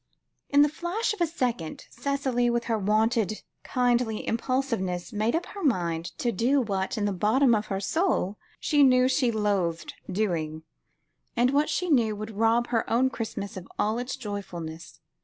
In the flash of a second, Cicely, with her wonted kindly impulsiveness, made up her mind to do what in the bottom of her soul, she knew she loathed doing, and what she knew would rob her own Christmas of all its joyousness.